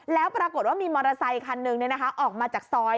แล้วปรากฏว่ามีมอเตอร์ไซคันหนึ่งออกมาจากซอย